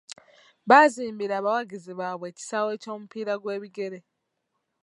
Baazimbira abawagizi baabwe ekisaawe ky'omupiira gw'ebigere.